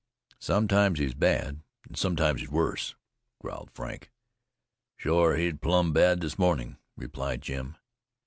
"Sometimes he's bad, and sometimes worse," growled Frank. "Shore he's plumb bad this mornin'," replied Jim.